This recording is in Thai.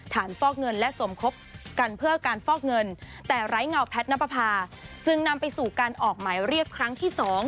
ฟอกเงินและสมคบกันเพื่อการฟอกเงินแต่ไร้เงาแพทย์นับประพาจึงนำไปสู่การออกหมายเรียกครั้งที่๒